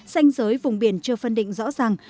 xanh giới vùng biển chưa phân định rõ ràng